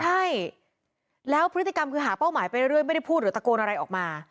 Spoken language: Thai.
ใช่แล้วพฤติกรรมคือหาเป้าหมายไปเรื่อยไม่ได้พูดหรือตะโกนอะไรออกมา